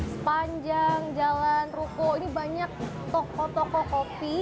sepanjang jalan ruko ini banyak toko toko kopi